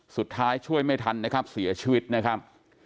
ช่วยไม่ทันนะครับเสียชีวิตนะครับ